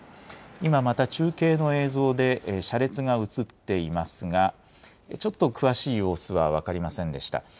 今また、中継の映像で車列が映っていますが、ちょっと詳しい様子は分かりませんでした。